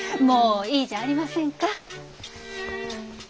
もういいじゃありませんか。